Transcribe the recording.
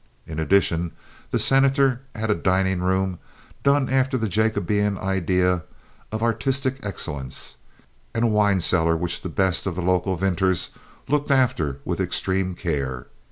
In addition the Senator had a dining room done after the Jacobean idea of artistic excellence, and a wine cellar which the best of the local vintners looked after with extreme care.